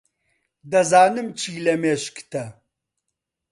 دەزانم چی لە مێشکتە.